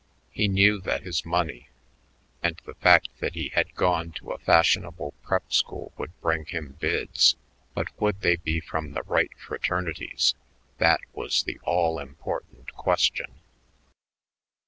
He knew that his money and the fact that he had gone to a fashionable prep school would bring him bids, but would they be from the right fraternities? That was the all important question.